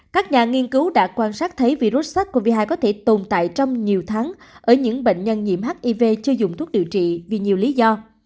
các nhà nghiên cứu đã quan sát thấy virus sars cov hai có thể tồn tại trong nhiều tháng ở những bệnh nhân nhiễm hiv chưa dùng thuốc điều trị vì nhiều lý do